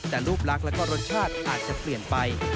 แต่รูปลักษณ์และก็รสชาติอาจจะเปลี่ยนไป